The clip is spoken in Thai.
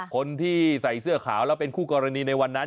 คนที่ใส่เสื้อขาวแล้วเป็นคู่กรณีในวันนั้น